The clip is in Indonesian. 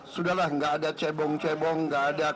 sudahlah enggak ada cebong cebong enggak ada kampret